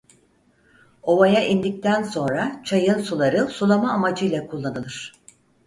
Ovaya indikten sonra çayın suları sulama amacıyla kullanılır.